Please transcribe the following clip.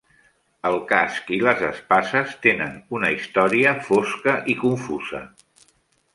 El casc i les espases tenen una història fosca i confusa.